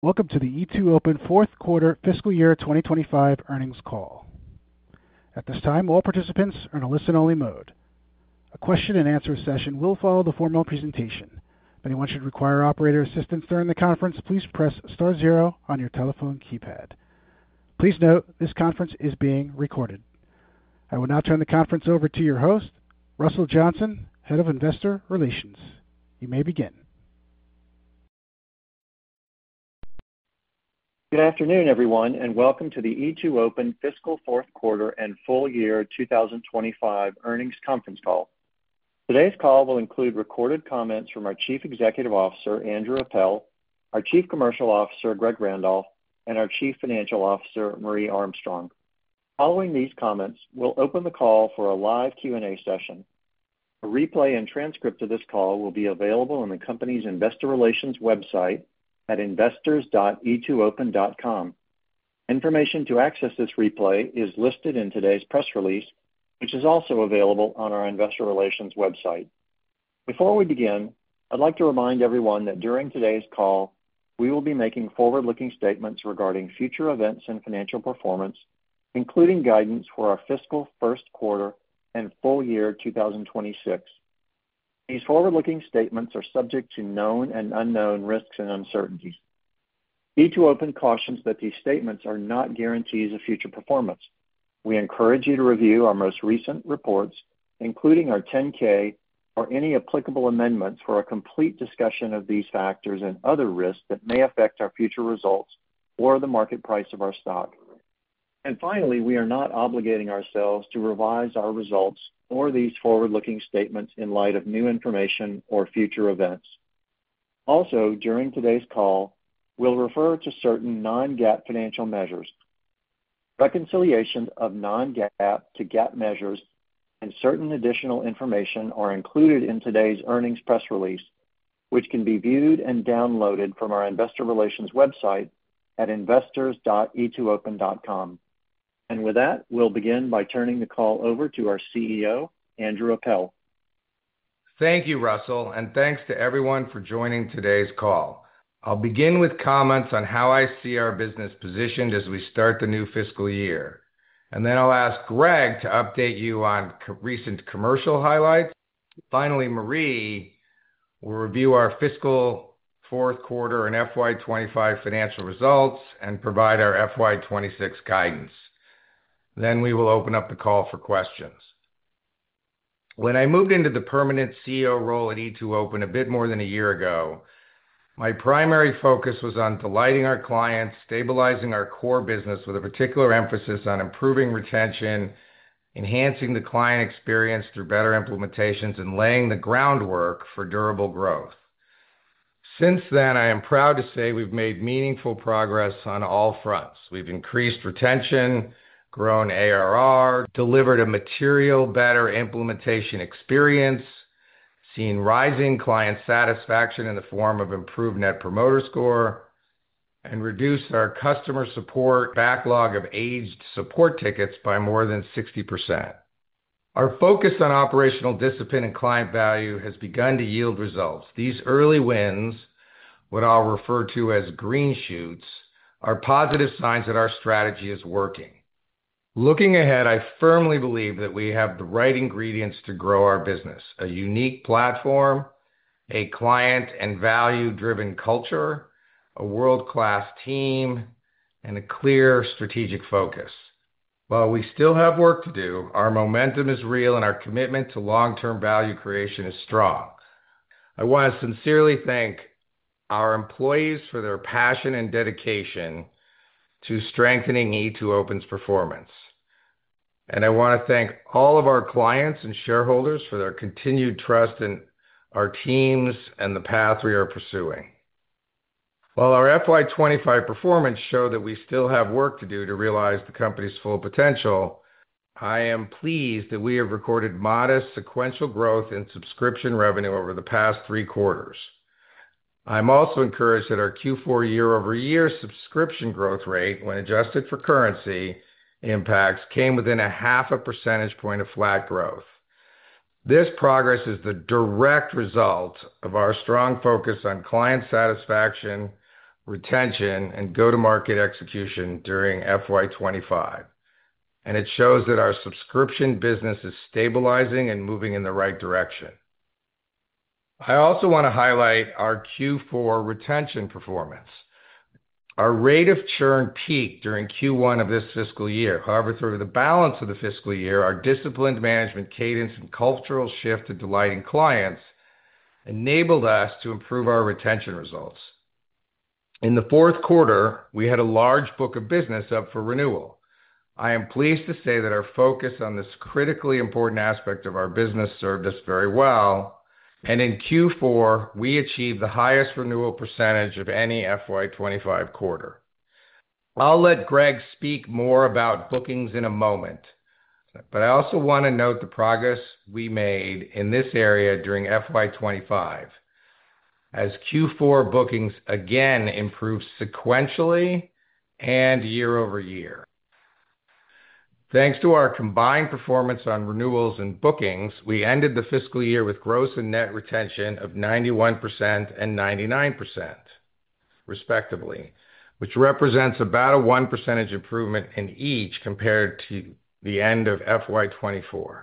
Welcome to the E2open Fourth Quarter FY25 earnings call. At this time, all participants are in a listen-only mode. A question-and-answer session will follow the formal presentation. If anyone should require operator assistance during the conference, please press Star zero on your telephone keypad. Please note this conference is being recorded. I will now turn the conference over to your host, Russell Johnson, Head of Investor Relations. You may begin. Good afternoon, everyone, and welcome to the E2open FQ Q4 and FY25 earnings conference call. Today's call will include recorded comments from our Chief Executive Officer, Andrew Appel, our Chief Commercial Officer, Greg Randolph, and our Chief Financial Officer, Marje Armstrong. Following these comments, we'll open the call for a live Q&A session. A replay and transcript of this call will be available on the company's Investor Relations website at investors.e2open.com. Information to access this replay is listed in today's press release, which is also available on our Investor Relations website. Before we begin, I'd like to remind everyone that during today's call, we will be making forward-looking statements regarding future events and financial performance, including guidance for our fiscal first quarter and full year 2026. These forward-looking statements are subject to known and unknown risks and uncertainties. E2open cautions that these statements are not guarantees of future performance. We encourage you to review our most recent reports, including our 10-K, or any applicable amendments, for a complete discussion of these factors and other risks that may affect our future results or the market price of our stock. Finally, we are not obligating ourselves to revise our results or these forward-looking statements in light of new information or future events. Also, during today's call, we'll refer to certain non-GAAP financial measures. Reconciliations of non-GAAP to GAAP measures and certain additional information are included in today's earnings press release, which can be viewed and downloaded from our Investor Relations website at investors.e2open.com. With that, we'll begin by turning the call over to our CEO, Andrew Appel. Thank you, Russell, and thanks to everyone for joining today's call. I'll begin with comments on how I see our business positioned as we start the new fiscal year. I will ask Greg to update you on recent commercial highlights. Finally, Marje will review our fiscal fourth quarter and FY25 financial results and provide our FY26 guidance. We will open up the call for questions. When I moved into the permanent CEO role at E2open a bit more than a year ago, my primary focus was on delighting our clients, stabilizing our core business, with a particular emphasis on improving retention, enhancing the client experience through better implementations, and laying the groundwork for durable growth. Since then, I am proud to say we've made meaningful progress on all fronts. We've increased retention, grown ARR, delivered a materially better implementation experience, seen rising client satisfaction in the form of improved Net Promoter Score, and reduced our customer support backlog of aged support tickets by more than 60%. Our focus on operational discipline and client value has begun to yield results. These early wins, what I'll refer to as green shoots, are positive signs that our strategy is working. Looking ahead, I firmly believe that we have the right ingredients to grow our business: a unique platform, a client and value-driven culture, a world-class team, and a clear strategic focus. While we still have work to do, our momentum is real, and our commitment to long-term value creation is strong. I want to sincerely thank our employees for their passion and dedication to strengthening E2open's performance. I want to thank all of our clients and shareholders for their continued trust in our teams and the path we are pursuing. While our FY25 performance showed that we still have work to do to realize the company's full potential, I am pleased that we have recorded modest sequential growth in subscription revenue over the past three quarters. I'm also encouraged that our Q4 year-over-year subscription growth rate, when adjusted for currency impacts, came within a half a percentage point of flat growth. This progress is the direct result of our strong focus on client satisfaction, retention, and go-to-market execution during FY25. It shows that our subscription business is stabilizing and moving in the right direction. I also want to highlight our Q4 retention performance. Our rate of churn peaked during Q1 of this fiscal year. However, through the balance of the fiscal year, our disciplined management cadence and cultural shift to delighting clients enabled us to improve our retention results. In the fourth quarter, we had a large book of business up for renewal. I am pleased to say that our focus on this critically important aspect of our business served us very well. In Q4, we achieved the highest renewal percentage of any FY25 quarter. I'll let Greg speak more about bookings in a moment, but I also want to note the progress we made in this area during FY25, as Q4 bookings again improved sequentially and year-over-year. Thanks to our combined performance on renewals and bookings, we ended the fiscal year with gross and net retention of 91% and 99%, respectively, which represents about a 1% improvement in each compared to the end of FY24.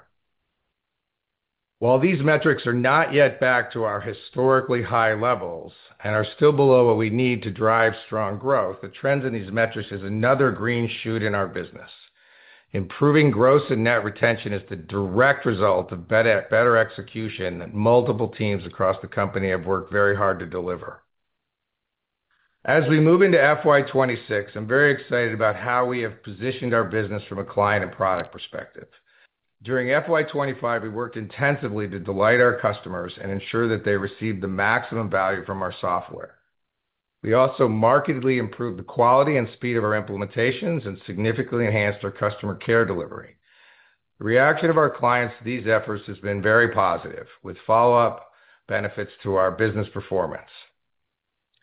While these metrics are not yet back to our historically high levels and are still below what we need to drive strong growth, the trend in these metrics is another green shoot in our business. Improving gross and net retention is the direct result of better execution that multiple teams across the company have worked very hard to deliver. As we move into FY26, I'm very excited about how we have positioned our business from a client and product perspective. During FY25, we worked intensively to delight our customers and ensure that they received the maximum value from our software. We also markedly improved the quality and speed of our implementations and significantly enhanced our customer care delivery. The reaction of our clients to these efforts has been very positive, with follow-up benefits to our business performance.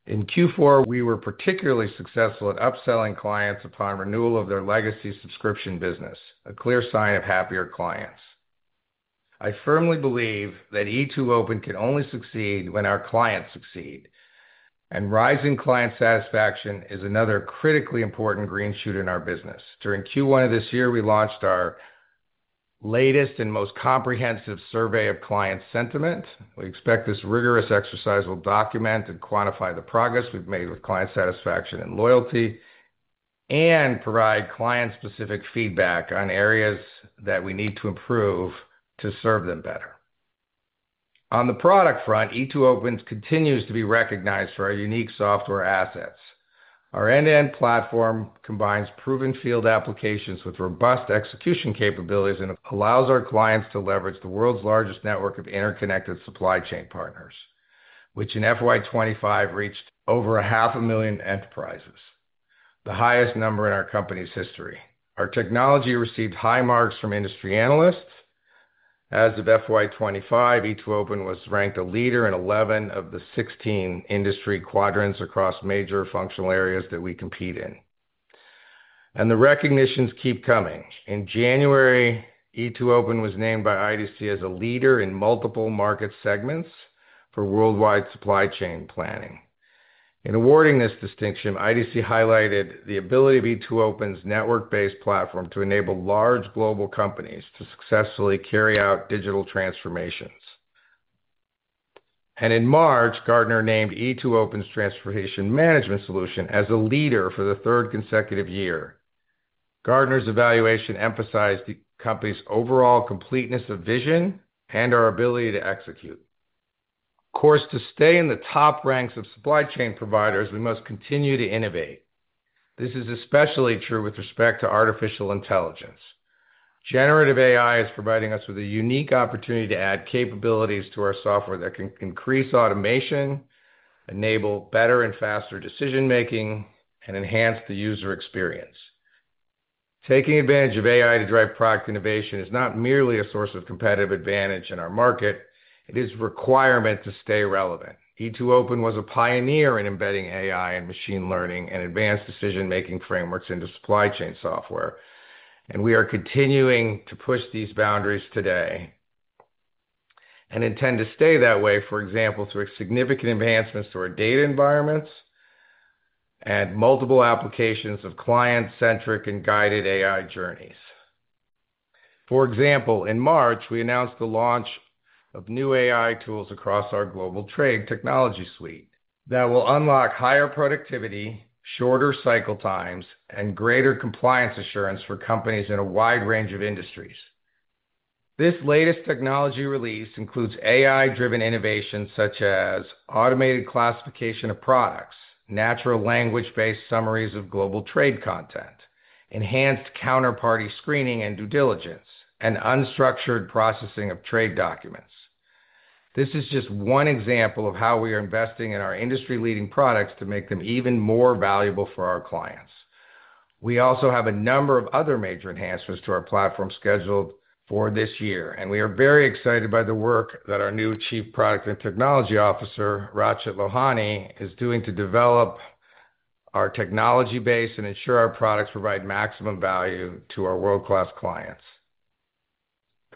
In Q4, we were particularly successful at upselling clients upon renewal of their legacy subscription business, a clear sign of happier clients. I firmly believe that E2open can only succeed when our clients succeed. Rising client satisfaction is another critically important green shoot in our business. During Q1 of this year, we launched our latest and most comprehensive survey of client sentiment. We expect this rigorous exercise will document and quantify the progress we've made with client satisfaction and loyalty and provide client-specific feedback on areas that we need to improve to serve them better. On the product front, E2open continues to be recognized for our unique software assets. Our end-to-end platform combines proven field applications with robust execution capabilities and allows our clients to leverage the world's largest network of interconnected supply chain partners, which in FY25 reached over 500,000 enterprises, the highest number in our company's history. Our technology received high marks from industry analysts. As of FY25, E2open was ranked a leader in 11 of the 16 industry quadrants across major functional areas that we compete in. The recognitions keep coming. In January, E2open was named by IDC as a leader in multiple market segments for worldwide supply chain planning. In awarding this distinction, IDC highlighted the ability of E2open's network-based platform to enable large global companies to successfully carry out digital transformations. In March, Gartner named E2open's transformation management solution as a leader for the third consecutive year. Gartner's evaluation emphasized the company's overall completeness of vision and our ability to execute. To stay in the top ranks of supply chain providers, we must continue to innovate. This is especially true with respect to artificial intelligence. Generative AI is providing us with a unique opportunity to add capabilities to our software that can increase automation, enable better and faster decision-making, and enhance the user experience. Taking advantage of AI to drive product innovation is not merely a source of competitive advantage in our market; it is a requirement to stay relevant. E2open was a pioneer in embedding AI and machine learning and advanced decision-making frameworks into supply chain software. We are continuing to push these boundaries today and intend to stay that way, for example, through significant advancements to our data environments and multiple applications of client-centric and guided AI journeys. For example, in March, we announced the launch of new AI tools across our global trade technology suite that will unlock higher productivity, shorter cycle times, and greater compliance assurance for companies in a wide range of industries. This latest technology release includes AI-driven innovations such as automated classification of products, natural language-based summaries of global trade content, enhanced counterparty screening and due diligence, and unstructured processing of trade documents. This is just one example of how we are investing in our industry-leading products to make them even more valuable for our clients. We also have a number of other major enhancements to our platform scheduled for this year. We are very excited by the work that our new Chief Product and Technology Officer, Rachit Lohani, is doing to develop our technology base and ensure our products provide maximum value to our world-class clients.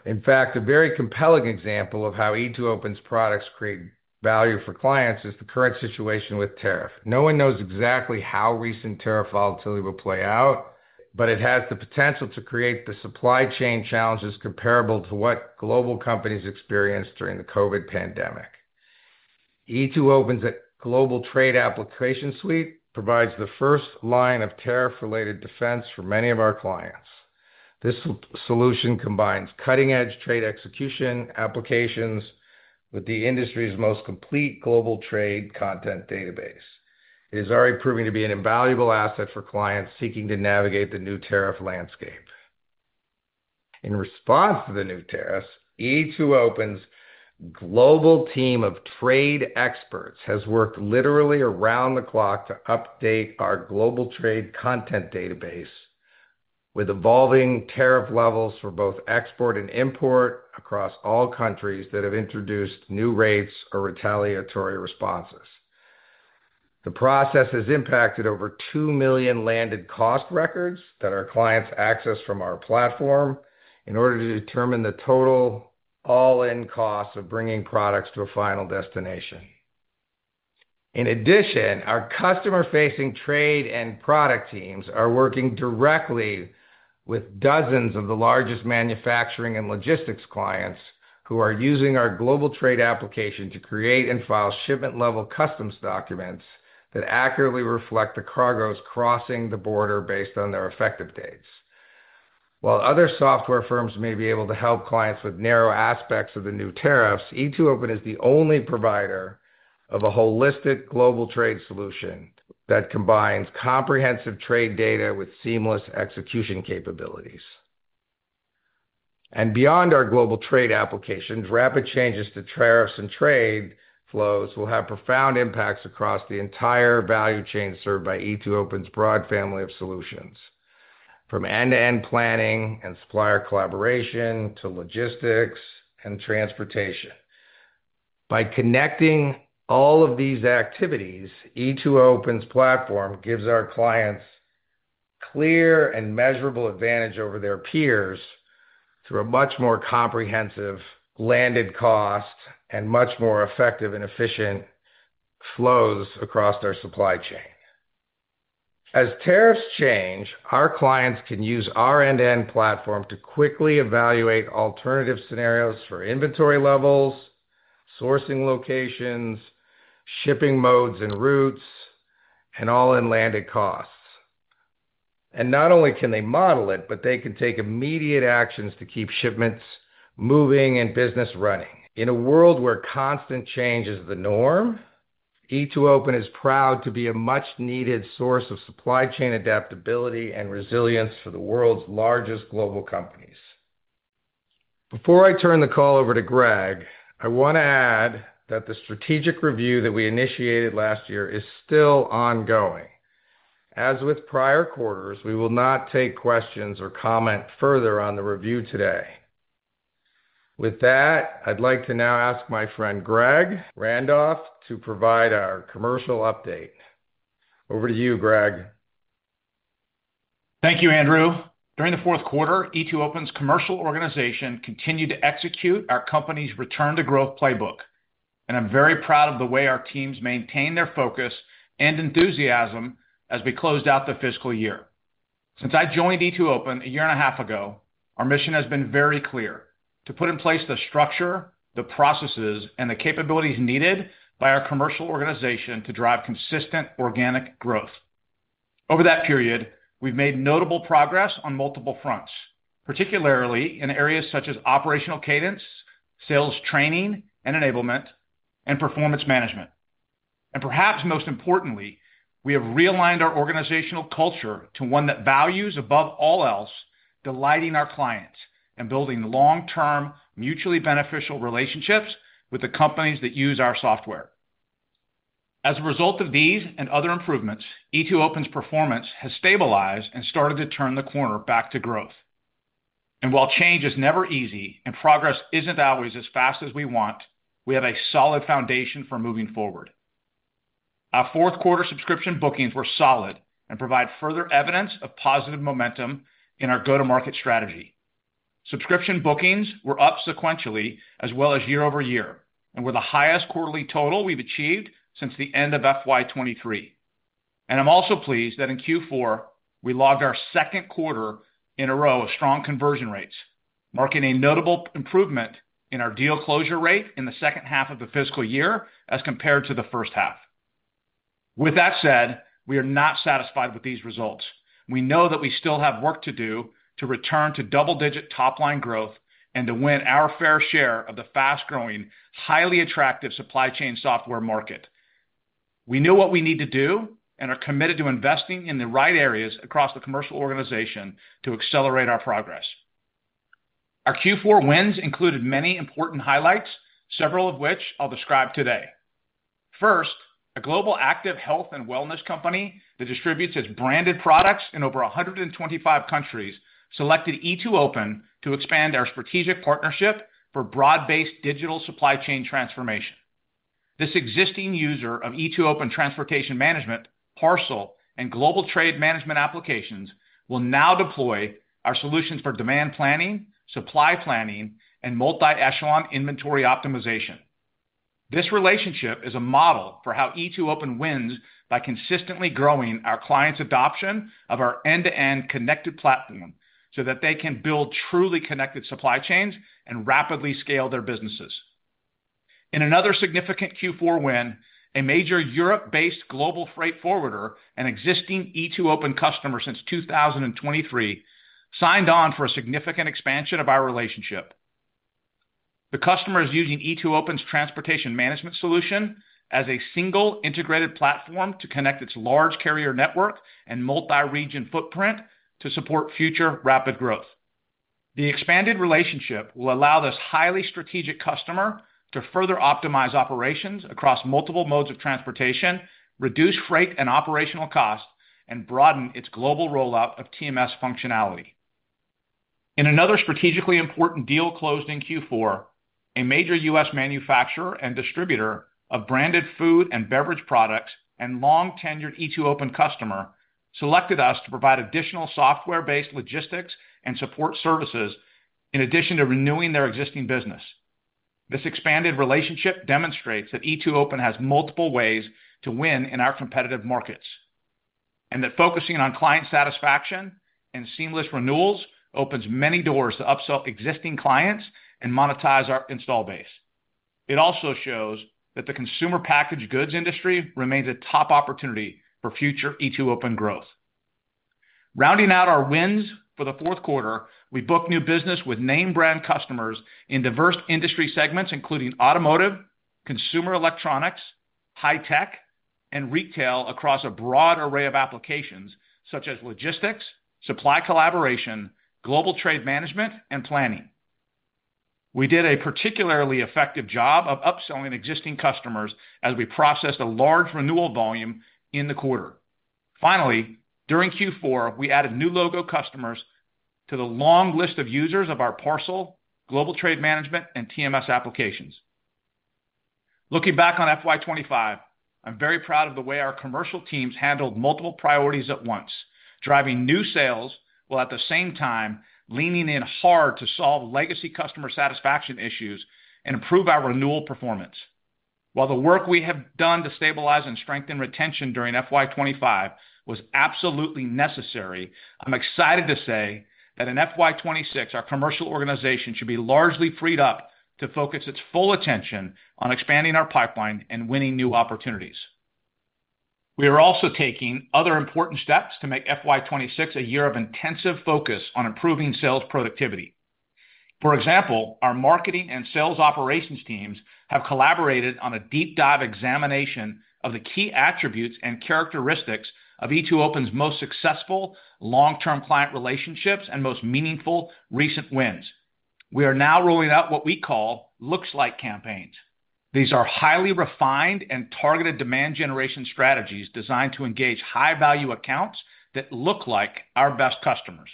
In fact, a very compelling example of how E2open's products create value for clients is the current situation with tariff. No one knows exactly how recent tariff volatility will play out, but it has the potential to create the supply chain challenges comparable to what global companies experienced during the COVID pandemic. E2open's global trade application suite provides the first line of tariff-related defense for many of our clients. This solution combines cutting-edge trade execution applications with the industry's most complete global trade content database. It is already proving to be an invaluable asset for clients seeking to navigate the new tariff landscape. In response to the new tariffs, E2open's global team of trade experts has worked literally around the clock to update our global trade content database with evolving tariff levels for both export and import across all countries that have introduced new rates or retaliatory responses. The process has impacted over 2 million landed cost records that our clients access from our platform in order to determine the total all-in cost of bringing products to a final destination. In addition, our customer-facing trade and product teams are working directly with dozens of the largest manufacturing and logistics clients who are using our global trade application to create and file shipment-level customs documents that accurately reflect the cargoes crossing the border based on their effective dates. While other software firms may be able to help clients with narrow aspects of the new tariffs, E2open is the only provider of a holistic global trade solution that combines comprehensive trade data with seamless execution capabilities. Beyond our global trade applications, rapid changes to tariffs and trade flows will have profound impacts across the entire value chain served by E2open's broad family of solutions, from end-to-end planning and supplier collaboration to logistics and transportation. By connecting all of these activities, E2open's platform gives our clients clear and measurable advantage over their peers through a much more comprehensive landed cost and much more effective and efficient flows across our supply chain. As tariffs change, our clients can use our end-to-end platform to quickly evaluate alternative scenarios for inventory levels, sourcing locations, shipping modes and routes, and all-in landed costs. Not only can they model it, but they can take immediate actions to keep shipments moving and business running. In a world where constant change is the norm, E2open is proud to be a much-needed source of supply chain adaptability and resilience for the world's largest global companies. Before I turn the call over to Greg, I want to add that the strategic review that we initiated last year is still ongoing. As with prior quarters, we will not take questions or comment further on the review today. With that, I'd like to now ask my friend Greg Randolph to provide our commercial update. Over to you, Greg. Thank you, Andrew. During the fourth quarter, E2open's commercial organization continued to execute our company's return-to-growth playbook. I am very proud of the way our teams maintained their focus and enthusiasm as we closed out the fiscal year. Since I joined E2open a year and a half ago, our mission has been very clear: to put in place the structure, the processes, and the capabilities needed by our commercial organization to drive consistent organic growth. Over that period, we've made notable progress on multiple fronts, particularly in areas such as operational cadence, sales training and enablement, and performance management. Perhaps most importantly, we have realigned our organizational culture to one that values above all else delighting our clients and building long-term mutually beneficial relationships with the companies that use our software. As a result of these and other improvements, E2open's performance has stabilized and started to turn the corner back to growth. While change is never easy and progress isn't always as fast as we want, we have a solid foundation for moving forward. Our fourth quarter subscription bookings were solid and provide further evidence of positive momentum in our go-to-market strategy. Subscription bookings were up sequentially as well as year-over-year and were the highest quarterly total we've achieved since the end of FY23. I'm also pleased that in Q4, we logged our second quarter in a row of strong conversion rates, marking a notable improvement in our deal closure rate in the second half of the fiscal year as compared to the first half. With that said, we are not satisfied with these results. We know that we still have work to do to return to double-digit top-line growth and to win our fair share of the fast-growing, highly attractive supply chain software market. We know what we need to do and are committed to investing in the right areas across the commercial organization to accelerate our progress. Our Q4 wins included many important highlights, several of which I'll describe today. First, a global active health and wellness company that distributes its branded products in over 125 countries selected E2open to expand our strategic partnership for broad-based digital supply chain transformation. This existing user of E2open Transportation Management, Parcel, and Global Trade Management applications will now deploy our solutions for demand planning, supply planning, and multi-echelon inventory optimization. This relationship is a model for how E2open wins by consistently growing our clients' adoption of our end-to-end connected platform so that they can build truly connected supply chains and rapidly scale their businesses. In another significant Q4 win, a major Europe-based global freight forwarder, an existing E2open customer since 2023, signed on for a significant expansion of our relationship. The customer is using E2open's Transportation Management solution as a single integrated platform to connect its large carrier network and multi-region footprint to support future rapid growth. The expanded relationship will allow this highly strategic customer to further optimize operations across multiple modes of transportation, reduce freight and operational costs, and broaden its global rollout of TMS functionality. In another strategically important deal closed in Q4, a major U.S. manufacturer and distributor of branded food and beverage products and long-tenured E2open customer selected us to provide additional software-based logistics and support services in addition to renewing their existing business. This expanded relationship demonstrates that E2open has multiple ways to win in our competitive markets and that focusing on client satisfaction and seamless renewals opens many doors to upsell existing clients and monetize our install base. It also shows that the consumer packaged goods industry remains a top opportunity for future E2open growth. Rounding out our wins for the fourth quarter, we booked new business with name-brand customers in diverse industry segments, including automotive, consumer electronics, high-tech, and retail across a broad array of applications such as logistics, supply collaboration, global trade management, and planning. We did a particularly effective job of upselling existing customers as we processed a large renewal volume in the quarter. Finally, during Q4, we added new logo customers to the long list of users of our Parcel, Global Trade Management, and TMS applications. Looking back on FY25, I'm very proud of the way our commercial teams handled multiple priorities at once, driving new sales while at the same time leaning in hard to solve legacy customer satisfaction issues and improve our renewal performance. While the work we have done to stabilize and strengthen retention during FY25 was absolutely necessary, I'm excited to say that in FY26, our commercial organization should be largely freed up to focus its full attention on expanding our pipeline and winning new opportunities. We are also taking other important steps to make FY26 a year of intensive focus on improving sales productivity. For example, our marketing and sales operations teams have collaborated on a deep-dive examination of the key attributes and characteristics of E2open's most successful long-term client relationships and most meaningful recent wins. We are now rolling out what we call looks-like campaigns. These are highly refined and targeted demand generation strategies designed to engage high-value accounts that look like our best customers.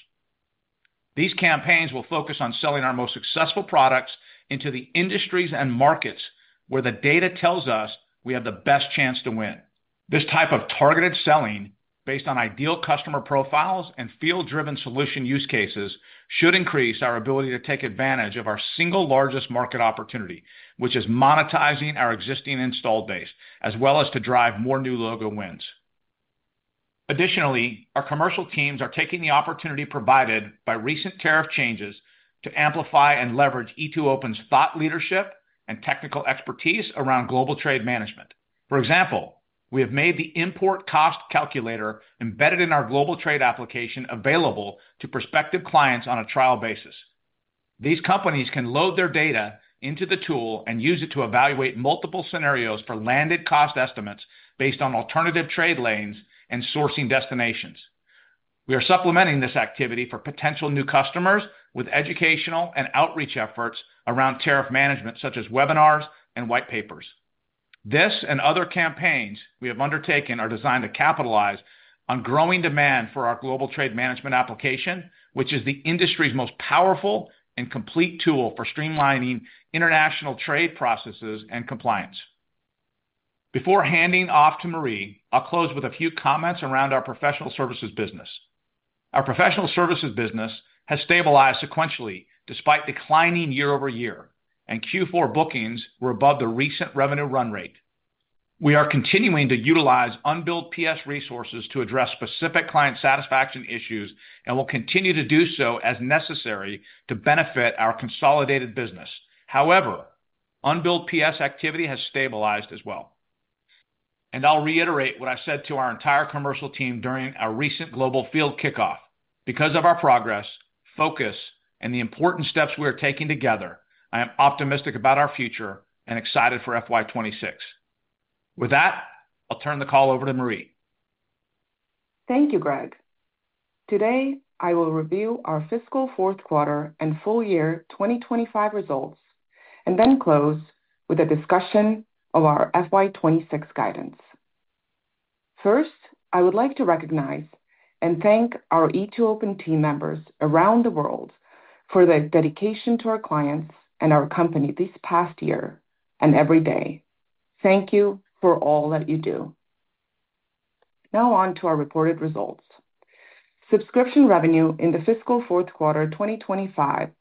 These campaigns will focus on selling our most successful products into the industries and markets where the data tells us we have the best chance to win. This type of targeted selling based on ideal customer profiles and field-driven solution use cases should increase our ability to take advantage of our single largest market opportunity, which is monetizing our existing install base, as well as to drive more new logo wins. Additionally, our commercial teams are taking the opportunity provided by recent tariff changes to amplify and leverage E2open's thought leadership and technical expertise around global trade management. For example, we have made the import cost calculator embedded in our global trade application available to prospective clients on a trial basis. These companies can load their data into the tool and use it to evaluate multiple scenarios for landed cost estimates based on alternative trade lanes and sourcing destinations. We are supplementing this activity for potential new customers with educational and outreach efforts around tariff management, such as webinars and white papers. This and other campaigns we have undertaken are designed to capitalize on growing demand for our Global Trade Management application, which is the industry's most powerful and complete tool for streamlining international trade processes and compliance. Before handing off to Marje, I'll close with a few comments around our professional services business. Our professional services business has stabilized sequentially despite declining year-over-year, and Q4 bookings were above the recent revenue run rate. We are continuing to utilize unbilled PS resources to address specific client satisfaction issues and will continue to do so as necessary to benefit our consolidated business. However, unbilled PS activity has stabilized as well. I will reiterate what I said to our entire commercial team during our recent global field kickoff. Because of our progress, focus, and the important steps we are taking together, I am optimistic about our future and excited for FY26. With that, I'll turn the call over to Marje. Thank you, Greg. Today, I will review our fiscal fourth quarter and full year 2025 results and then close with a discussion of our FY26 guidance. First, I would like to recognize and thank our E2open team members around the world for their dedication to our clients and our company this past year and every day. Thank you for all that you do. Now on to our reported results. Subscription revenue in the fiscal fourth quarter 2025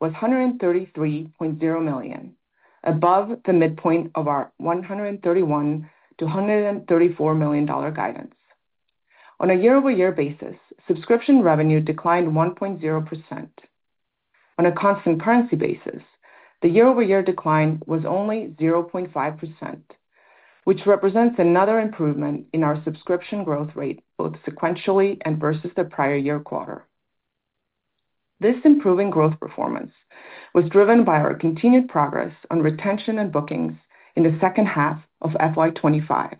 was $133.0 million, above the midpoint of our $131-$134 million guidance. On a year-over-year basis, subscription revenue declined 1.0%. On a constant currency basis, the year-over-year decline was only 0.5%, which represents another improvement in our subscription growth rate both sequentially and versus the prior year quarter. This improving growth performance was driven by our continued progress on retention and bookings in the second half of FY2025.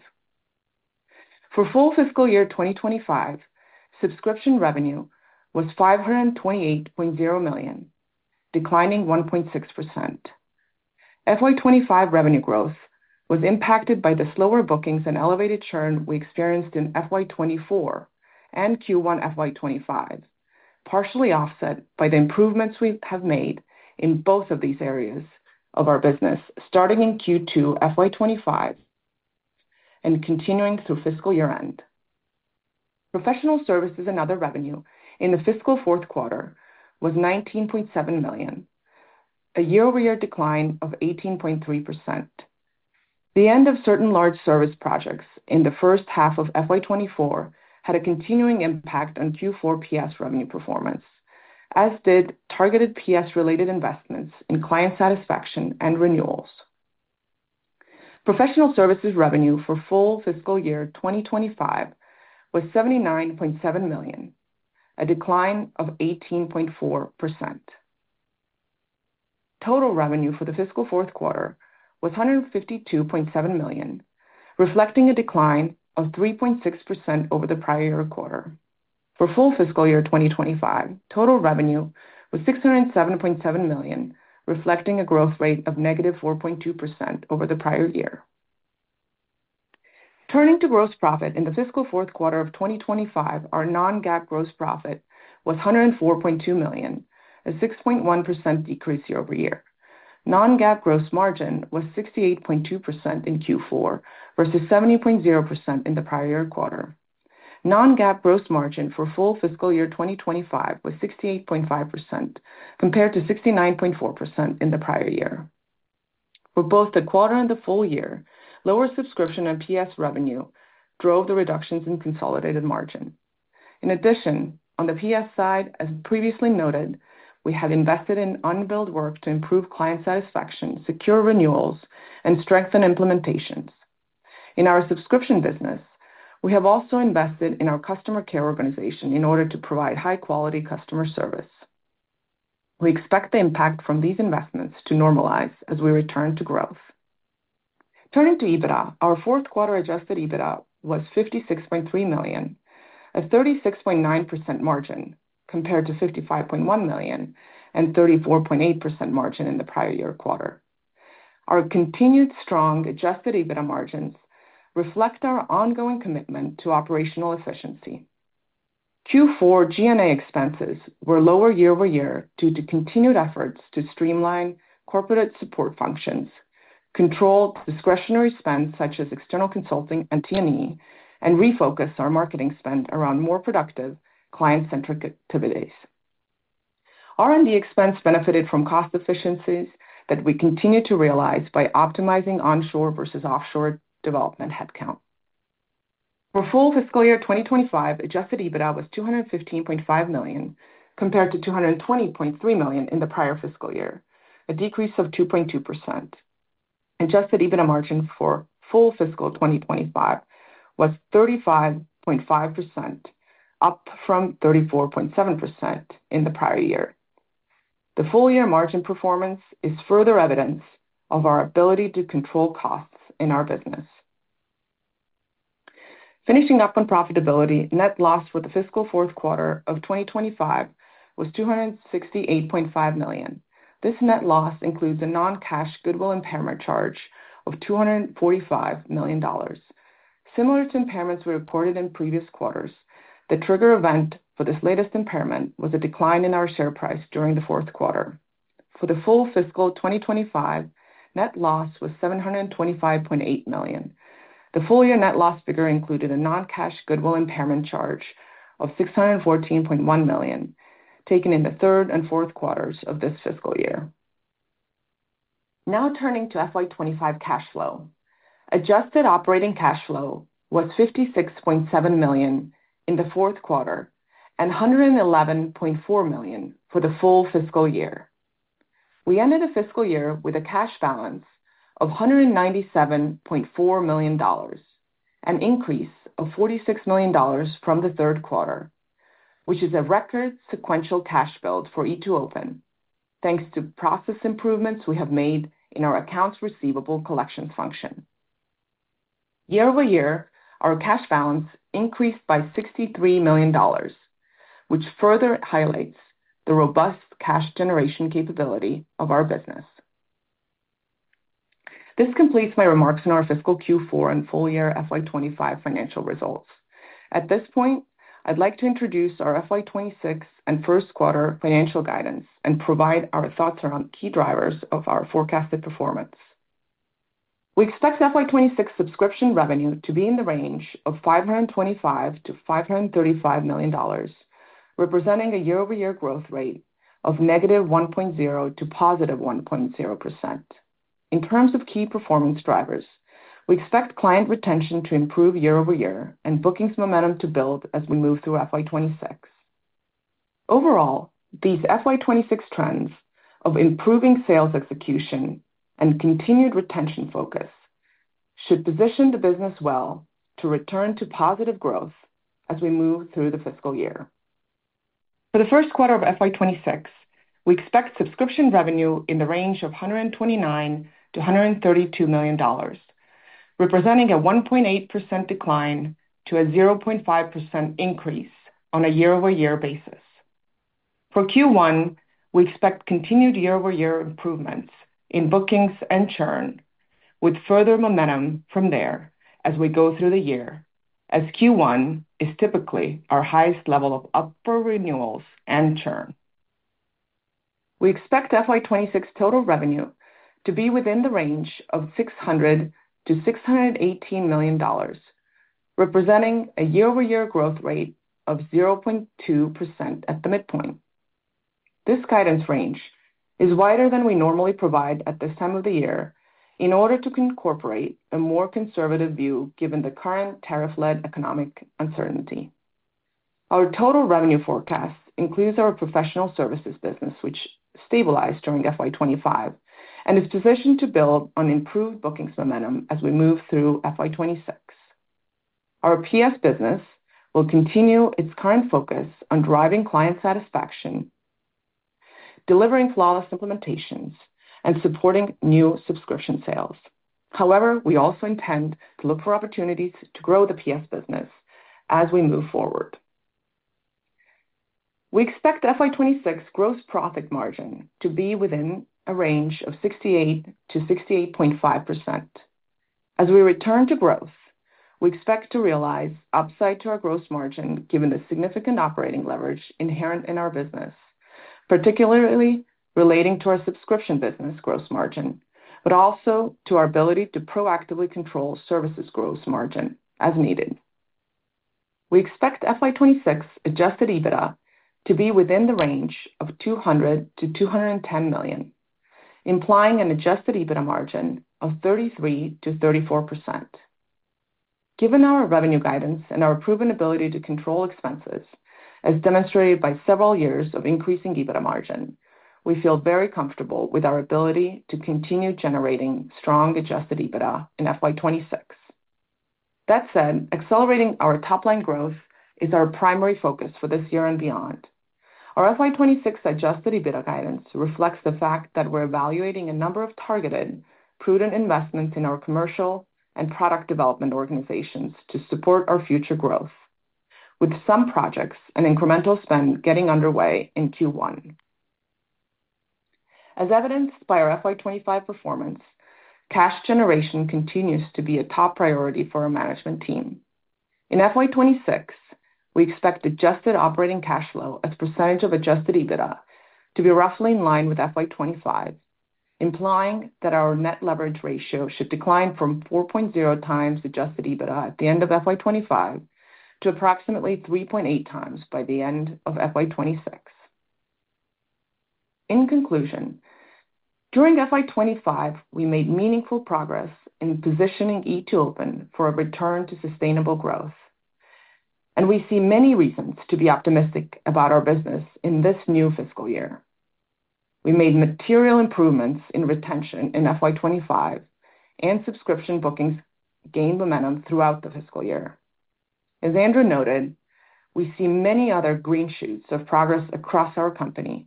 For full fiscal year 2025, subscription revenue was $528.0 million, declining 1.6%. FY2025 revenue growth was impacted by the slower bookings and elevated churn we experienced in FY2024 and Q1 FY2025, partially offset by the improvements we have made in both of these areas of our business starting in Q2 FY2025 and continuing through fiscal year end. Professional services and other revenue in the fiscal fourth quarter was $19.7 million, a year-over-year decline of 18.3%. The end of certain large service projects in the first half of FY24 had a continuing impact on Q4 PS revenue performance, as did targeted PS-related investments in client satisfaction and renewals. Professional services revenue for full fiscal year 2025 was $79.7 million, a decline of 18.4%. Total revenue for the fiscal fourth quarter was $152.7 million, reflecting a decline of 3.6% over the prior year quarter. For full fiscal year 2025, total revenue was $607.7 million, reflecting a growth rate of negative 4.2% over the prior year. Turning to gross profit in the fiscal fourth quarter of 2025, our non-GAAP gross profit was $104.2 million, a 6.1% decrease year-over-year. Non-GAAP gross margin was 68.2% in Q4 versus 70.0% in the prior year quarter. Non-GAAP gross margin for full fiscal year 2025 was 68.5% compared to 69.4% in the prior year. For both the quarter and the full year, lower subscription and PS revenue drove the reductions in consolidated margin. In addition, on the PS side, as previously noted, we have invested in unbilled work to improve client satisfaction, secure renewals, and strengthen implementations. In our subscription business, we have also invested in our customer care organization in order to provide high-quality customer service. We expect the impact from these investments to normalize as we return to growth. Turning to EBITDA, our fourth quarter adjusted EBITDA was $56.3 million, a 36.9% margin compared to $55.1 million and 34.8% margin in the prior year quarter. Our continued strong adjusted EBITDA margins reflect our ongoing commitment to operational efficiency. Q4 G&A expenses were lower year-over-year due to continued efforts to streamline corporate support functions, control discretionary spend such as external consulting and T&E, and refocus our marketing spend around more productive client-centric activities. R&D expense benefited from cost efficiencies that we continue to realize by optimizing onshore versus offshore development headcount. For full fiscal year 2025, adjusted EBITDA was $215.5 million compared to $220.3 million in the prior fiscal year, a decrease of 2.2%. Adjusted EBITDA margin for full fiscal 2025 was 35.5%, up from 34.7% in the prior year. The full year margin performance is further evidence of our ability to control costs in our business. Finishing up on profitability, net loss for the fiscal fourth quarter of 2025 was $268.5 million. This net loss includes a non-cash goodwill impairment charge of $245 million. Similar to impairments we reported in previous quarters, the trigger event for this latest impairment was a decline in our share price during the fourth quarter. For the full fiscal 2025, net loss was $725.8 million. The full year net loss figure included a non-cash goodwill impairment charge of $614.1 million, taken in the third and fourth quarters of this fiscal year. Now turning to FY25 cash flow, adjusted operating cash flow was $56.7 million in the fourth quarter and $111.4 million for the full fiscal year. We ended the fiscal year with a cash balance of $197.4 million, an increase of $46 million from the third quarter, which is a record sequential cash build for E2open, thanks to process improvements we have made in our accounts receivable collections function. Year-over-year, our cash balance increased by $63 million, which further highlights the robust cash generation capability of our business. This completes my remarks on our fiscal Q4 and full year FY25 financial results. At this point, I'd like to introduce our FY26 and first quarter financial guidance and provide our thoughts around key drivers of our forecasted performance. We expect FY26 subscription revenue to be in the range of $525 million-$535 million, representing a year-over-year growth rate of -1.0% to 1.0%. In terms of key performance drivers, we expect client retention to improve year-over-year and bookings momentum to build as we move through FY26. Overall, these FY26 trends of improving sales execution and continued retention focus should position the business well to return to positive growth as we move through the fiscal year. For the first quarter of FY26, we expect subscription revenue in the range of $129 million-$132 million, representing a 1.8% decline to a 0.5% increase on a year-over-year basis. For Q1, we expect continued year-over-year improvements in bookings and churn, with further momentum from there as we go through the year, as Q1 is typically our highest level of upper renewals and churn. We expect FY26 total revenue to be within the range of $600 million-$618 million, representing a year-over-year growth rate of 0.2% at the midpoint. This guidance range is wider than we normally provide at this time of the year in order to incorporate a more conservative view given the current tariff-led economic uncertainty. Our total revenue forecast includes our professional services business, which stabilized during FY25 and is positioned to build on improved bookings momentum as we move through FY26. Our PS business will continue its current focus on driving client satisfaction, delivering flawless implementations, and supporting new subscription sales. However, we also intend to look for opportunities to grow the PS business as we move forward. We expect FY2026 gross profit margin to be within a range of 68-68.5%. As we return to growth, we expect to realize upside to our gross margin given the significant operating leverage inherent in our business, particularly relating to our subscription business gross margin, but also to our ability to proactively control services gross margin as needed. We expect FY2026 adjusted EBITDA to be within the range of $200-$210 million, implying an adjusted EBITDA margin of 33-34%. Given our revenue guidance and our proven ability to control expenses, as demonstrated by several years of increasing EBITDA margin, we feel very comfortable with our ability to continue generating strong adjusted EBITDA in FY2026. That said, accelerating our top-line growth is our primary focus for this year and beyond. Our FY26 adjusted EBITDA guidance reflects the fact that we're evaluating a number of targeted, prudent investments in our commercial and product development organizations to support our future growth, with some projects and incremental spend getting underway in Q1. As evidenced by our FY25 performance, cash generation continues to be a top priority for our management team. In FY26, we expect adjusted operating cash flow as percentage of adjusted EBITDA to be roughly in line with FY25, implying that our net leverage ratio should decline from 4.0 times adjusted EBITDA at the end of FY25 to approximately 3.8 times by the end of FY26. In conclusion, during FY25, we made meaningful progress in positioning E2open for a return to sustainable growth, and we see many reasons to be optimistic about our business in this new fiscal year. We made material improvements in retention in FY25, and subscription bookings gained momentum throughout the fiscal year. As Andrew noted, we see many other green shoots of progress across our company,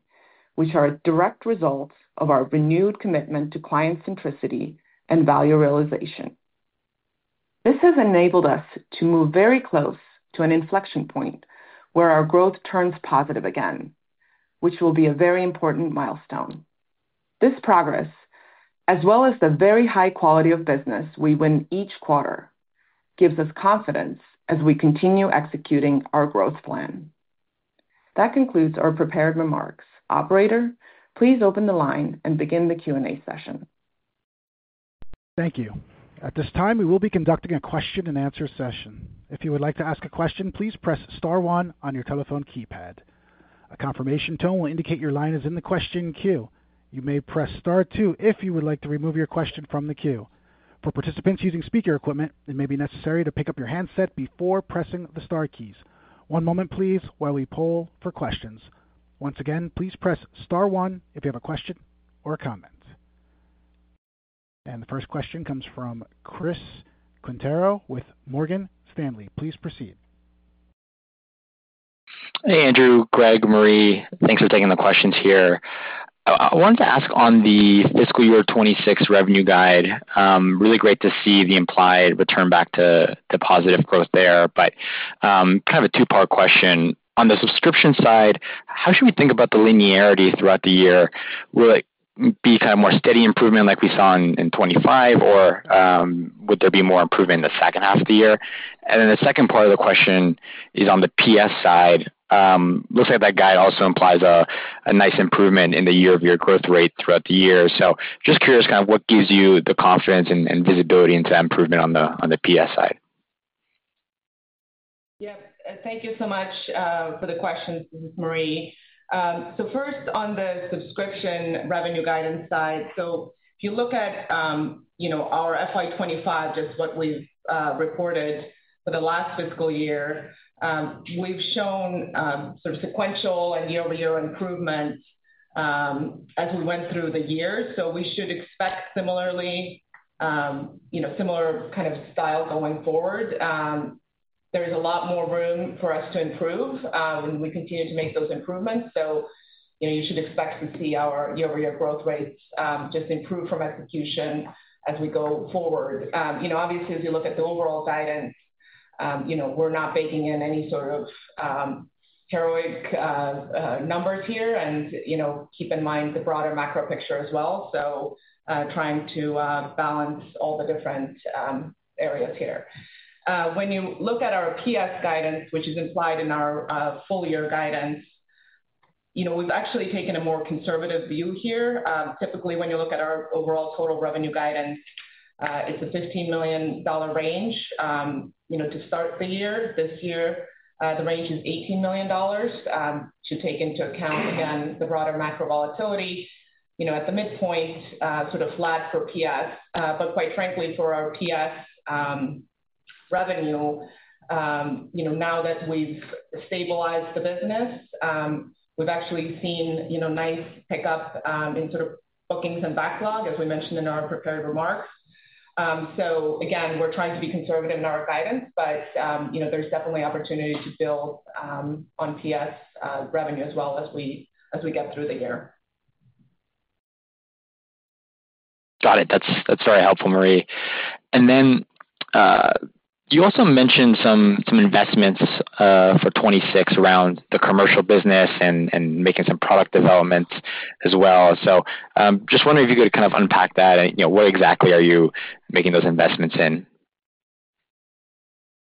which are direct results of our renewed commitment to client centricity and value realization. This has enabled us to move very close to an inflection point where our growth turns positive again, which will be a very important milestone. This progress, as well as the very high quality of business we win each quarter, gives us confidence as we continue executing our growth plan. That concludes our prepared remarks. Operator, please open the line and begin the Q&A session. Thank you. At this time, we will be conducting a question-and-answer session. If you would like to ask a question, please press Star one on your telephone keypad. A confirmation tone will indicate your line is in the question queue. You may press Star two if you would like to remove your question from the queue. For participants using speaker equipment, it may be necessary to pick up your handset before pressing the Star keys. One moment, please, while we poll for questions. Once again, please press Star one if you have a question or a comment. The first question comes from Chris Quintero with Morgan Stanley. Please proceed. Hey, Andrew, Greg, Marje, thanks for taking the questions here. I wanted to ask on the fiscal year 2026 revenue guide, really great to see the implied return back to positive growth there, but kind of a two-part question. On the subscription side, how should we think about the linearity throughout the year? Will it be kind of more steady improvement like we saw in 2025, or would there be more improvement in the second half of the year? The second part of the question is on the PS side. Looks like that guide also implies a nice improvement in the year-over-year growth rate throughout the year. Just curious kind of what gives you the confidence and visibility into that improvement on the PS side. Yep. Thank you so much for the questions, Chris. First, on the subscription revenue guidance side, if you look at our FY25, just what we've reported for the last fiscal year, we've shown sort of sequential and year-over-year improvements as we went through the year. We should expect similarly, similar kind of style going forward. There is a lot more room for us to improve when we continue to make those improvements. You should expect to see our year-over-year growth rates just improve from execution as we go forward. Obviously, as you look at the overall guidance, we're not baking in any sort of heroic numbers here and keep in mind the broader macro picture as well. Trying to balance all the different areas here. When you look at our PS guidance, which is implied in our full year guidance, we've actually taken a more conservative view here. Typically, when you look at our overall total revenue guidance, it's a $15 million range to start the year. This year, the range is $18 million to take into account, again, the broader macro volatility. At the midpoint, sort of flat for PS. Quite frankly, for our PS revenue, now that we've stabilized the business, we've actually seen a nice pickup in sort of bookings and backlog, as we mentioned in our prepared remarks. Again, we're trying to be conservative in our guidance, but there's definitely opportunity to build on PS revenue as well as we get through the year. Got it. That's very helpful, Marje. You also mentioned some investments for 2026 around the commercial business and making some product developments as well. Just wondering if you could kind of unpack that and what exactly are you making those investments in?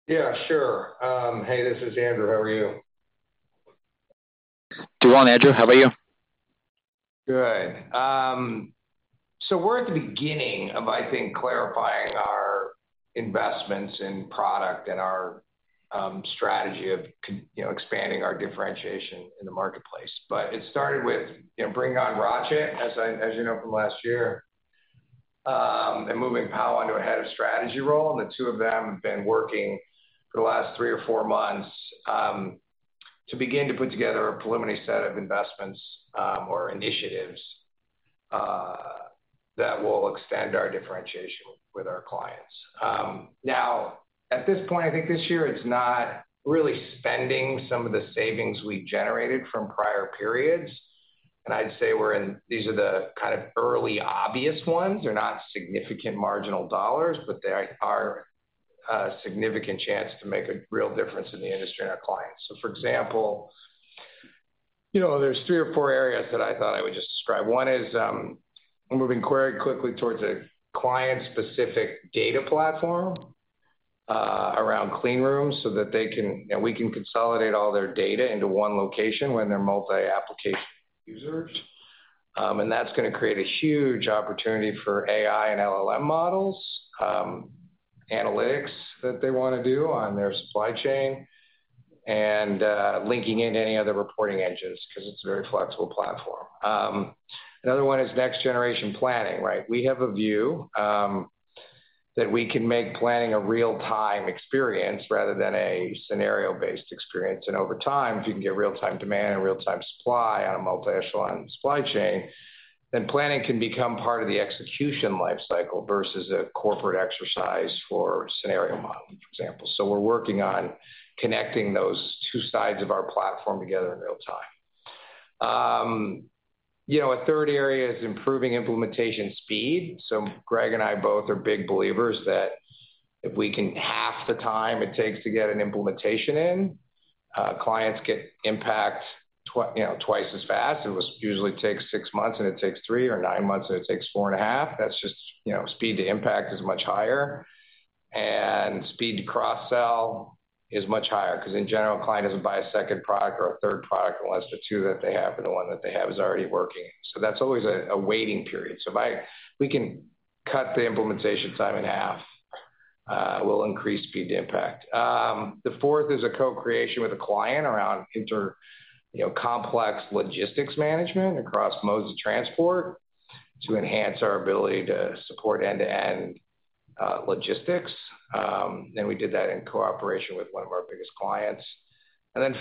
Yeah, sure. Hey, this is Andrew. How are you? Doing well, Andrew. How are you? Good. We're at the beginning of, I think, clarifying our investments in product and our strategy of expanding our differentiation in the marketplace. It started with bringing on Rachit, as you know from last year, and moving Pawan into a head of strategy role. The two of them have been working for the last three or four months to begin to put together a preliminary set of investments or initiatives that will extend our differentiation with our clients. At this point, I think this year, it's not really spending some of the savings we generated from prior periods. I'd say these are the kind of early obvious ones. They're not significant marginal dollars, but they are a significant chance to make a real difference in the industry and our clients. For example, there are three or four areas that I thought I would just describe. One is we're moving very quickly towards a client-specific data platform around clean rooms so that we can consolidate all their data into one location when they're multi-application users. That's going to create a huge opportunity for AI and LLM models, analytics that they want to do on their supply chain, and linking in any other reporting engines because it's a very flexible platform. Another one is next-generation planning, right? We have a view that we can make planning a real-time experience rather than a scenario-based experience. Over time, if you can get real-time demand and real-time supply on a multi-echelon supply chain, then planning can become part of the execution life cycle versus a corporate exercise for scenario modeling, for example. We're working on connecting those two sides of our platform together in real time. A third area is improving implementation speed. Greg and I both are big believers that if we can half the time it takes to get an implementation in, clients get impact twice as fast. It usually takes six months, and it takes three or nine months, and it takes four and a half. That's just speed to impact is much higher, and speed to cross-sell is much higher because, in general, a client doesn't buy a second product or a third product unless the two that they have or the one that they have is already working. That's always a waiting period. If we can cut the implementation time in half, we'll increase speed to impact. The fourth is a co-creation with a client around complex logistics management across modes of transport to enhance our ability to support end-to-end logistics. We did that in cooperation with one of our biggest clients.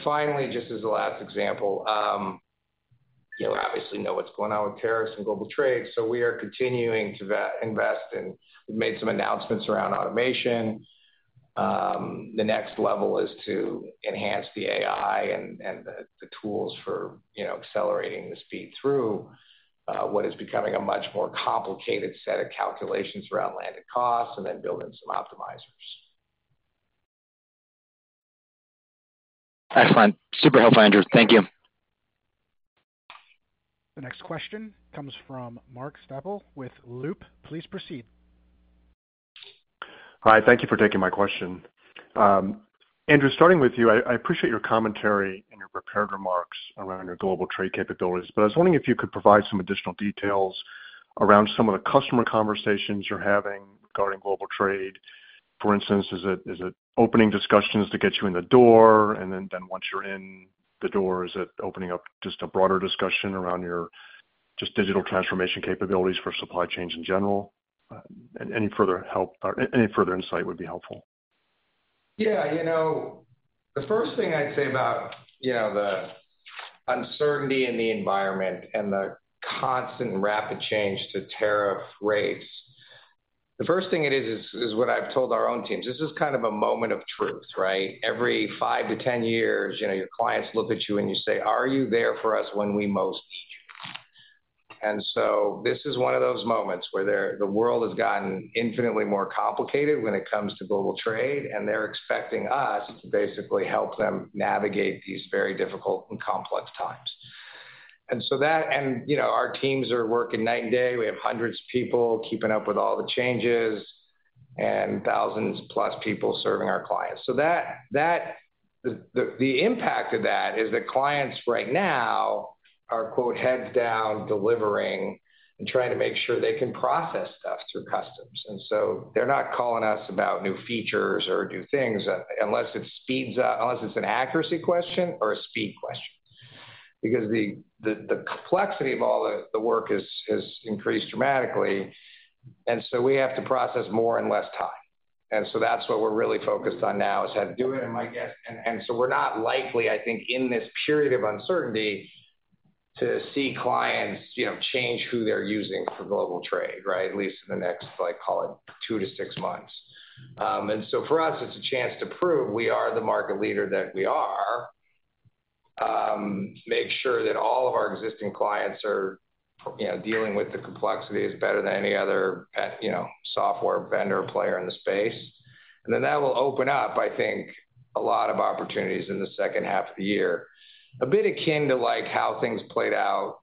Finally, just as a last example, you obviously know what's going on with tariffs and global trade. We are continuing to invest, and we've made some announcements around automation. The next level is to enhance the AI and the tools for accelerating the speed through what is becoming a much more complicated set of calculations around landed costs and then building some optimizers. Excellent. Super helpful, Andrew. Thank you. The next question comes from Mark Schappel with Loop. Please proceed. Hi. Thank you for taking my question. Andrew, starting with you, I appreciate your commentary and your prepared remarks around your global trade capabilities, but I was wondering if you could provide some additional details around some of the customer conversations you're having regarding global trade. For instance, is it opening discussions to get you in the door? And once you're in the door, is it opening up just a broader discussion around your just digital transformation capabilities for supply chains in general? Any further help or any further insight would be helpful. Yeah. The first thing I'd say about the uncertainty in the environment and the constant rapid change to tariff rates, the first thing it is, is what I've told our own teams. This is kind of a moment of truth, right? Every 5 to 10 years, your clients look at you and you say, "Are you there for us when we most need you?" This is one of those moments where the world has gotten infinitely more complicated when it comes to global trade, and they're expecting us to basically help them navigate these very difficult and complex times. Our teams are working night and day. We have hundreds of people keeping up with all the changes and thousands plus people serving our clients. The impact of that is that clients right now are, quote, "heads down," delivering and trying to make sure they can process stuff through customs. They are not calling us about new features or new things unless it is an accuracy question or a speed question because the complexity of all the work has increased dramatically. We have to process more in less time. That is what we are really focused on now, how to do it. We are not likely, I think, in this period of uncertainty, to see clients change who they are using for global trade, right, at least in the next, call it, two to six months. For us, it's a chance to prove we are the market leader that we are, make sure that all of our existing clients are dealing with the complexity as better than any other software vendor player in the space. That will open up, I think, a lot of opportunities in the second half of the year, a bit akin to how things played out,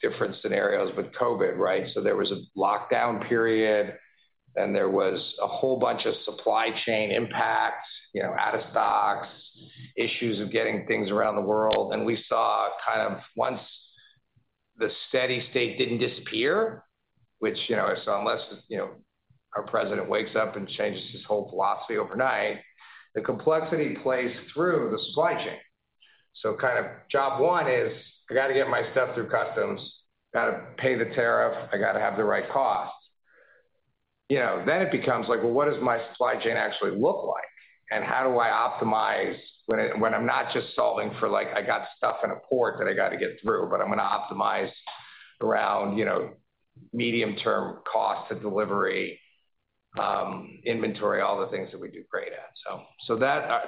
different scenarios with COVID, right? There was a lockdown period, then there was a whole bunch of supply chain impacts, out of stocks, issues of getting things around the world. We saw kind of once the steady state didn't disappear, which I saw unless our president wakes up and changes his whole philosophy overnight, the complexity plays through the supply chain. Kind of job one is I got to get my stuff through customs, got to pay the tariff, I got to have the right costs. It becomes like, well, what does my supply chain actually look like? How do I optimize when I'm not just solving for I got stuff in a port that I got to get through, but I'm going to optimize around medium-term cost of delivery, inventory, all the things that we do great at?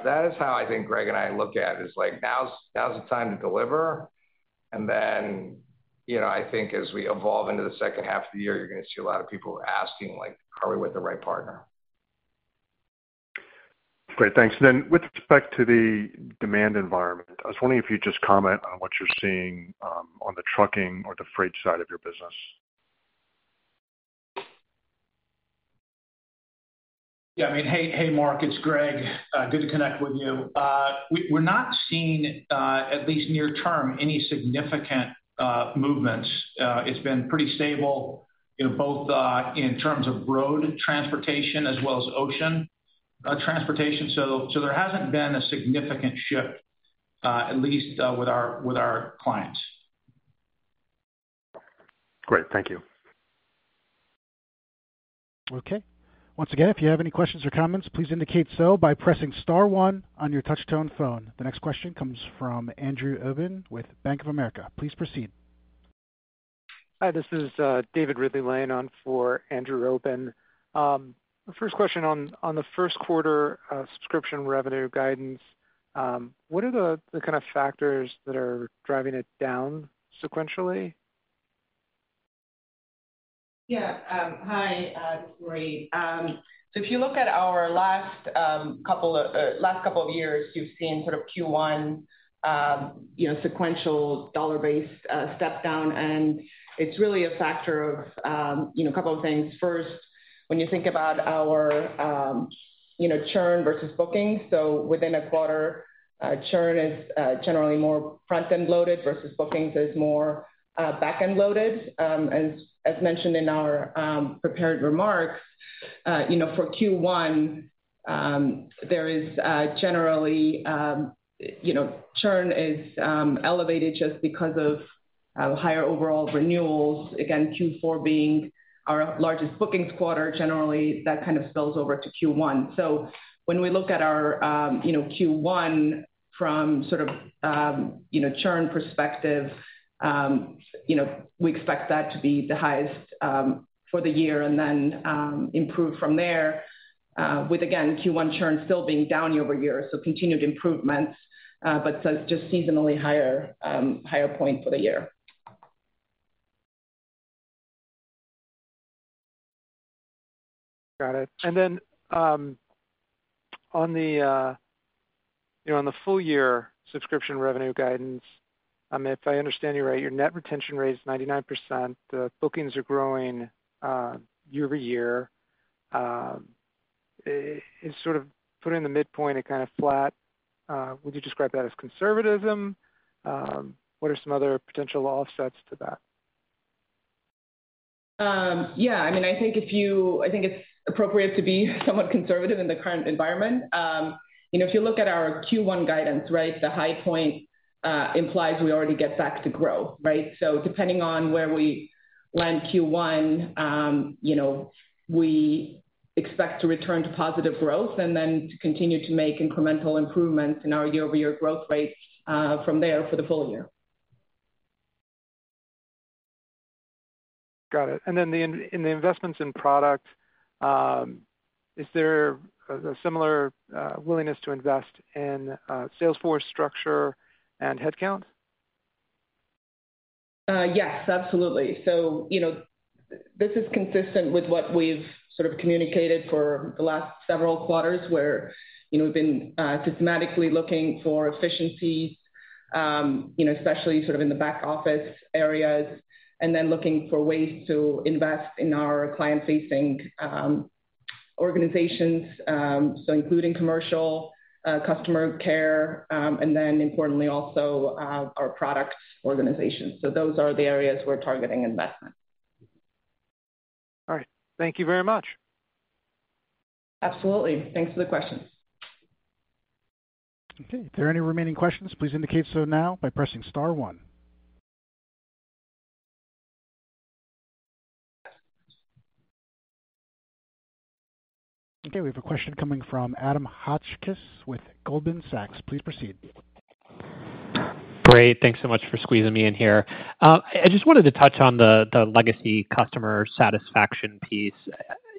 That is how I think Greg and I look at it, like, now's the time to deliver. I think as we evolve into the second half of the year, you're going to see a lot of people asking, like, "Are we with the right partner?" Great. Thanks. With respect to the demand environment, I was wondering if you'd just comment on what you're seeing on the trucking or the freight side of your business. Yeah. I mean, hey, Mark. It's Greg. Good to connect with you. We're not seeing, at least near term, any significant movements. It's been pretty stable, both in terms of road transportation as well as ocean transportation. There hasn't been a significant shift, at least with our clients. Great. Thank you. Okay. Once again, if you have any questions or comments, please indicate so by pressing Star 1 on your touchtone phone. The next question comes from Andrew Obin with Bank of America. Please proceed. Hi. This is David Ridley-Lane on for Andrew Obin. First question on the first quarter subscription revenue guidance. What are the kind of factors that are driving it down sequentially? Yeah. Hi. This is Marje. If you look at our last couple of years, you've seen sort of Q1 sequential dollar-based step down. It's really a factor of a couple of things. First, when you think about our churn versus bookings. Within a quarter, churn is generally more front-end loaded versus bookings, which is more back-end loaded. As mentioned in our prepared remarks, for Q1, generally churn is elevated just because of higher overall renewals. Q4 being our largest bookings quarter, generally that kind of spills over to Q1. When we look at our Q1 from a churn perspective, we expect that to be the highest for the year and then improve from there, with Q1 churn still being down year over year. Continued improvements, but just seasonally higher point for the year. Got it. On the full-year subscription revenue guidance, if I understand you right, your net retention rate is 99%. The bookings are growing year over year. It's sort of put in the midpoint, it kind of flat. Would you describe that as conservatism? What are some other potential offsets to that? Yeah. I mean, I think it's appropriate to be somewhat conservative in the current environment. If you look at our Q1 guidance, the high point implies we already get back to grow, right? Depending on where we land Q1, we expect to return to positive growth and then to continue to make incremental improvements in our year-over-year growth rates from there for the full year. Got it. In the investments in product, is there a similar willingness to invest in sales force structure and headcount? Yes, absolutely. This is consistent with what we've sort of communicated for the last several quarters where we've been systematically looking for efficiencies, especially sort of in the back office areas, and then looking for ways to invest in our client-facing organizations, so including commercial customer care and then, importantly, also our product organizations. Those are the areas we're targeting investment. All right. Thank you very much. Absolutely. Thanks for the questions. Okay. If there are any remaining questions, please indicate so now by pressing Star one. Okay. We have a question coming from Adam Hotchkiss with Goldman Sachs. Please proceed. Great. Thanks so much for squeezing me in here. I just wanted to touch on the legacy customer satisfaction piece.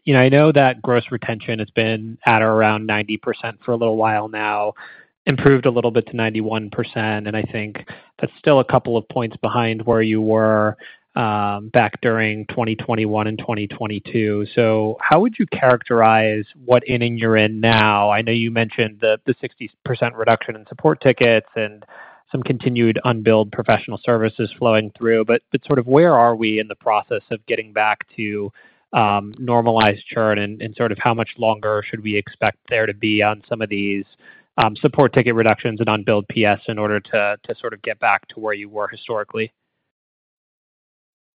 I know that gross retention has been at or around 90% for a little while now, improved a little bit to 91%. I think that's still a couple of points behind where you were back during 2021 and 2022. How would you characterize what inning you're in now? I know you mentioned the 60% reduction in support tickets and some continued unbilled professional services flowing through, but sort of where are we in the process of getting back to normalized churn and sort of how much longer should we expect there to be on some of these support ticket reductions and unbilled PS in order to sort of get back to where you were historically?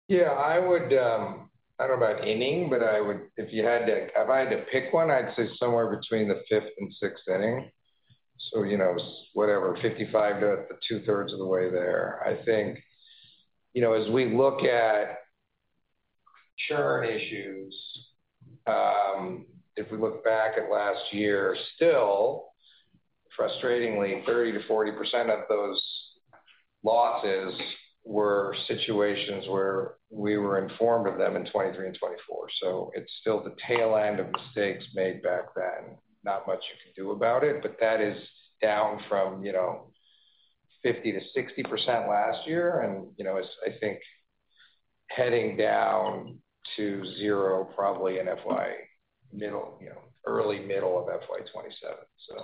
Yeah. I don't know about inning, but if you had to pick one, I'd say somewhere between the fifth and sixth inning. So whatever, 55% to two-thirds of the way there. I think as we look at churn issues, if we look back at last year, still, frustratingly, 30-40% of those losses were situations where we were informed of them in 2023 and 2024. It is still the tail end of mistakes made back then. Not much you can do about it, but that is down from 50-60% last year and I think heading down to zero probably in early to middle of fiscal year 2027.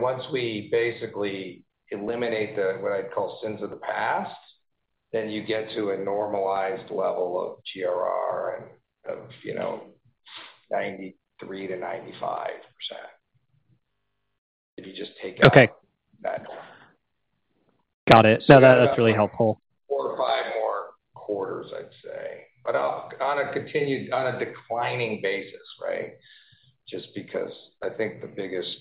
Once we basically eliminate what I'd call sins of the past, then you get to a normalized level of GRR of 93-95% if you just take out that. Okay. Got it. No, that's really helpful. Four or five more quarters, I'd say. On a declining basis, right, just because I think the biggest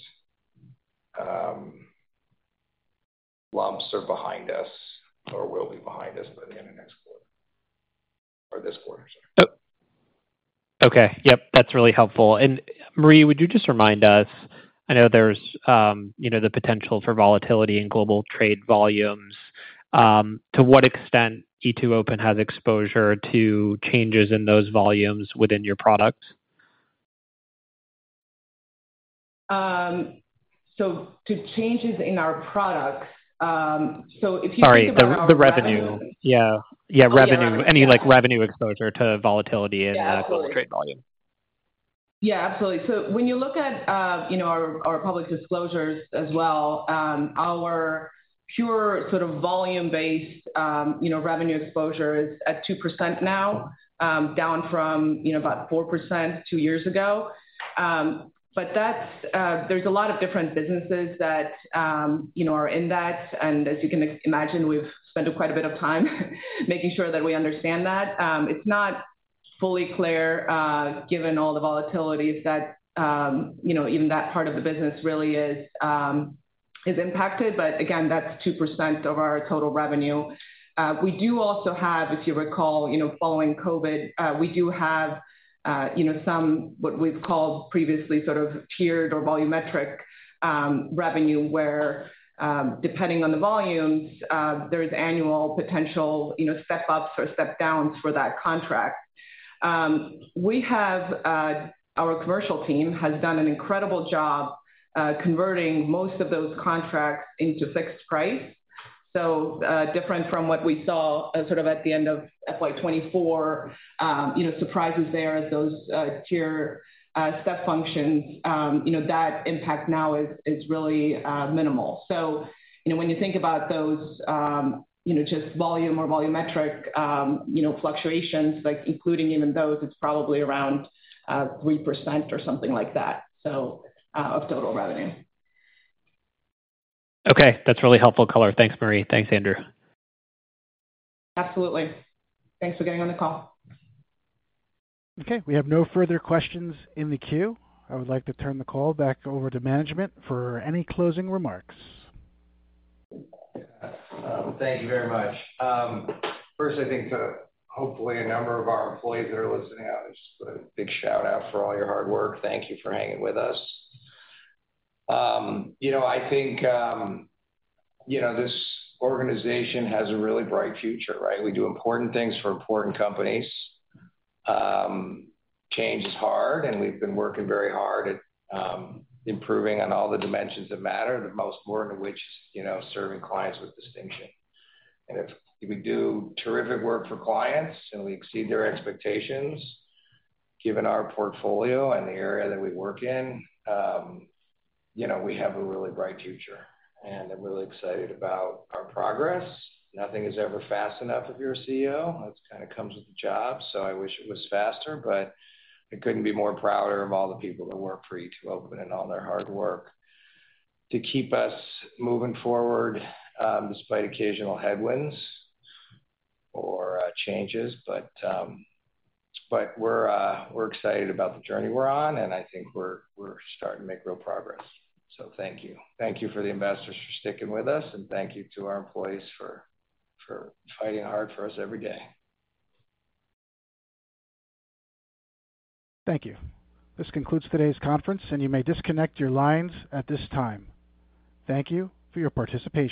lumps are behind us or will be behind us, but in the next quarter or this quarter, sorry. Okay. Yep. That's really helpful. Marje, would you just remind us, I know there's the potential for volatility in global trade volumes, to what extent E2open has exposure to changes in those volumes within your products? To changes in our products, so if you think about our revenue. Sorry. The revenue. Yeah. Yeah. Revenue. Any revenue exposure to volatility in global trade volume. Yeah. Absolutely. When you look at our public disclosures as well, our pure sort of volume-based revenue exposure is at 2% now, down from about 4% two years ago. There's a lot of different businesses that are in that. As you can imagine, we've spent quite a bit of time making sure that we understand that. It's not fully clear given all the volatilities that even that part of the business really is impacted. Again, that's 2% of our total revenue. We do also have, if you recall, following COVID, we do have some what we've called previously sort of tiered or volumetric revenue where, depending on the volumes, there is annual potential step-ups or step-downs for that contract. Our commercial team has done an incredible job converting most of those contracts into fixed price. Different from what we saw sort of at the end of FY 2024, surprises there as those tier step functions, that impact now is really minimal. When you think about those just volume or volumetric fluctuations, including even those, it's probably around 3% or something like that of total revenue. Okay. That's really helpful color. Thanks, Marje. Thanks, Andrew. Absolutely. Thanks for getting on the call. Okay. We have no further questions in the queue. I would like to turn the call back over to management for any closing remarks. Thank you very much. First, I think hopefully a number of our employees that are listening out, just a big shout-out for all your hard work. Thank you for hanging with us. I think this organization has a really bright future, right? We do important things for important companies. Change is hard, and we've been working very hard at improving on all the dimensions that matter, the most important of which is serving clients with distinction. If we do terrific work for clients and we exceed their expectations, given our portfolio and the area that we work in, we have a really bright future. I'm really excited about our progress. Nothing is ever fast enough if you're a CEO. That kind of comes with the job. I wish it was faster, but I couldn't be more proud of all the people that work for E2open and all their hard work to keep us moving forward despite occasional headwinds or changes. We're excited about the journey we're on, and I think we're starting to make real progress. Thank you. Thank you to the investors for sticking with us, and thank you to our employees for fighting hard for us every day. Thank you. This concludes today's conference, and you may disconnect your lines at this time. Thank you for your participation.